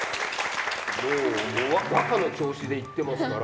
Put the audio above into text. もう和歌の調子で言ってますから。